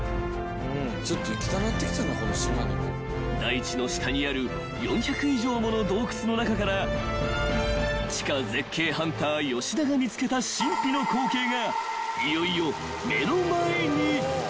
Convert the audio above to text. ［大地の下にある４００以上もの洞窟の中から地下絶景ハンター吉田が見つけた神秘の光景がいよいよ目の前に］